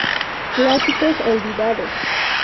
Clásicos olvidados.